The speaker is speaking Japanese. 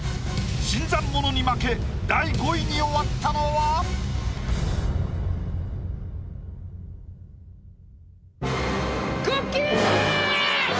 新参者に負け第５位に終わったのは⁉くっきー！。